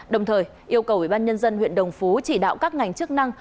đồng thời yêu cầu ubnd huyện đồng phú chỉ đạo các ngành chức năng